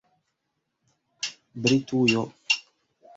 Britujo